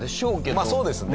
まあそうですね。